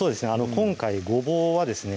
今回ごぼうはですね